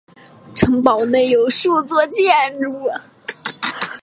城堡内有数座建筑。